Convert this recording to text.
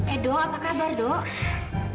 edho apa kabar dok